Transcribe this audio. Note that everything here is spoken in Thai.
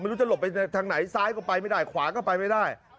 ไม่รู้จะหลบไปทางไหนซ้ายก็ไปไม่ได้ขวาก็ไปไม่ได้